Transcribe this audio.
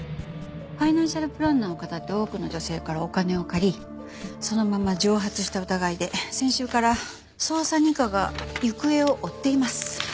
ファイナンシャルプランナーを騙って多くの女性からお金を借りそのまま蒸発した疑いで先週から捜査二課が行方を追っています。